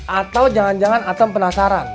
atau jangan jangan atem penasaran